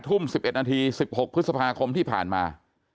ทุ่ม๑๑นาที๑๖พฤษภาคมที่ผ่านมา